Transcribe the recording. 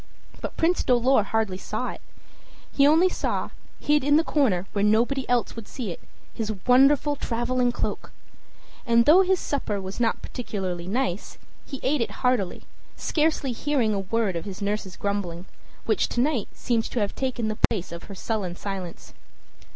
But Prince Dolor hardly saw it; he only saw, hid in the corner where nobody else would see it, his wonderful traveling cloak. And though his supper was not particularly nice, he ate it heartily, scarcely hearing a word of his nurse's grumbling, which to night seemed to have taken the place of her sullen silence.